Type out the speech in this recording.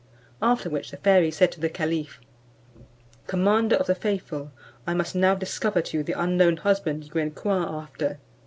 After which the fairy said to the caliph, "Commander of the faithful, I must now discover to you the unknown husband you enquire after.